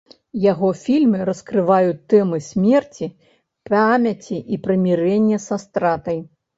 Яго фільмы раскрываюць тэмы смерці, памяці і прымірэння са стратай.